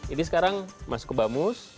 ini sekarang masuk ke bamus